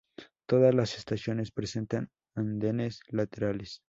Todas las estaciones presentan andenes laterales.